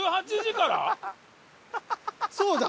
そうだ。